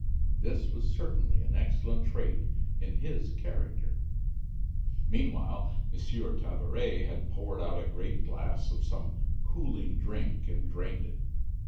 This was certainly an excellent trait in his character. Meanwhile, M. Tabaret had poured out a great glass of some cooling drink and drained it.